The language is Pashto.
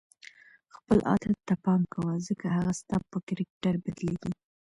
خپل عادت ته پام کوه ځکه هغه ستا په کرکټر بدلیږي.